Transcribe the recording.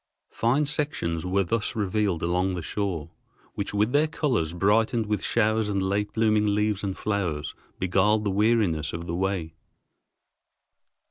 Fine sections were thus revealed along the shore, which with their colors, brightened with showers and late blooming leaves and flowers, beguiled the weariness of the way.